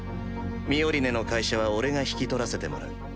ミオリネの会社は俺が引き取らせてもらう。